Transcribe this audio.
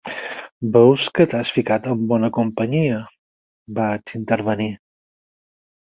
"Veus que t'has ficat en bona companyia", vaig intervenir.